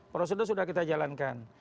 prosedur sudah kita jalankan